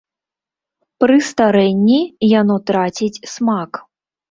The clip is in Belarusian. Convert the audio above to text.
Пры старэнні яно траціць смак.